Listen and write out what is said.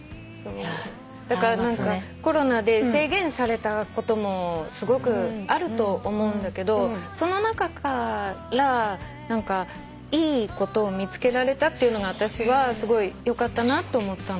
だから何かコロナで制限されたこともすごくあると思うんだけどその中からいいことを見つけられたっていうのがあたしはすごいよかったなと思ったの。